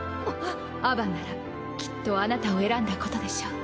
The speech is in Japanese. アバンならきっとあなたを選んだことでしょう。